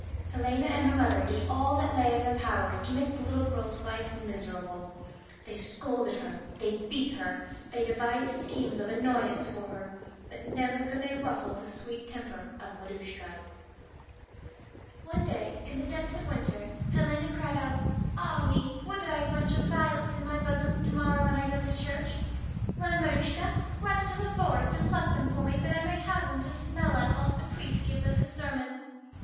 Helena and her mother did all that lay in their power to make the little girl's life miserable. They scolded her, they beat her, they devised schemes of annoyance for her, but never could they ruffle the sweet temper of Maruschka. One day, in the depth of winter, Helena cried out, 'Ah, mel would that I had a bunch of violets in my bosom to morrow, when I go to church. Run, Maruschka, run into the forest and pluck them for me, that I may have them to smell at whilst the priest gives us his sermon.'